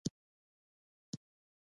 هېڅوک یې ناسوب نه لري.